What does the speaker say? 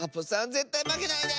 ぜったいまけないで！